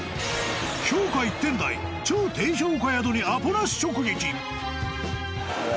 評価１点台、超低評価宿にアポなし直撃。